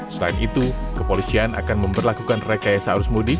selain itu kepolisian akan memperlakukan rekayasa arus mudik